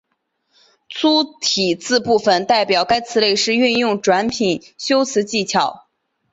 粗体字部分代表该词类是运用转品修辞技巧。